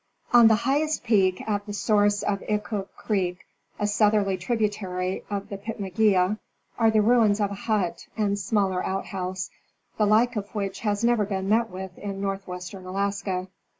On the highest peak at the source of Ikuk creek, a south erly tributary of the Pitmegea, are the ruins of a hut and smaller outhouse, the like of which has never been met with in North western Alaska.